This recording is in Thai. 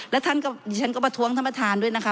และท่านก็ดิฉันก็ประท้วงท่านประธานด้วยนะคะ